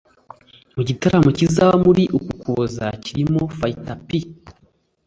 mu gitaramo kizaba muri uku kuboza kirimo fighter p